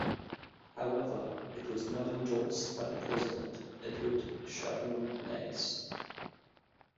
However, it was not endorsed by the President, Eduard Shevardnadze.